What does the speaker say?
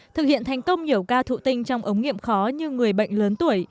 thực hiện thành công nhiều ca thụ tinh trong ống nghiệm khó như người bệnh lớn tuổi